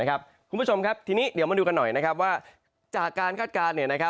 คุณผู้ชมครับทีนี้เดี๋ยวมาดูกันหน่อยว่าจากการคาดการณ์